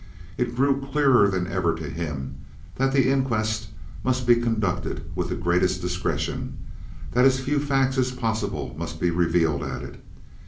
It grew clearer than ever to him that the inquest must be conducted with the greatest discretion, that as few facts as possible must be revealed at it.